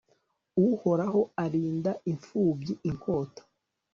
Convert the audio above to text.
uhoraho arinda imfubyi inkota